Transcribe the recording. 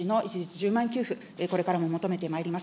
１０万円給付、これからも求めてまいります。